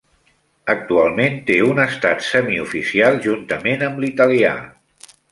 Actualment té un estat semioficial juntament amb l'italià.